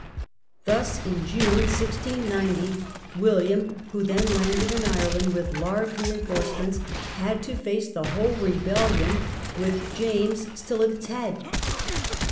Thus in June, 1690, William, who then landed in Ireland with large reinforcements, had to face the whole rebellion with James still at its head.